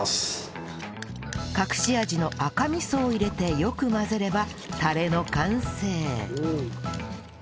隠し味の赤味噌を入れてよく混ぜればタレの完成